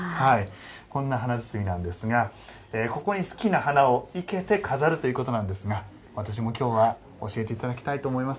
こんな華包なんですがここに好きな花を生けて飾るということなんですが私も今日は教えていただきたいと思います。